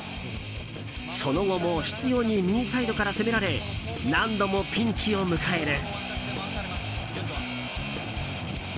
その後も執拗に右サイドから攻められ何度もピンチを迎える。